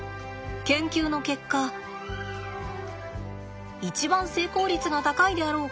研究の結果一番成功率が高いであろう方法を取りました。